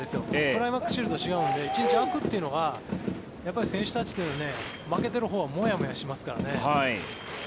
クライマックスシリーズと違うので１日空くというのが選手たち、負けているほうはもやもやしますからね。